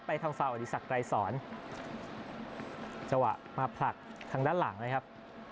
ทางฟาวอดีศักดิ์ไกรสอนจังหวะมาผลักทางด้านหลังนะครับ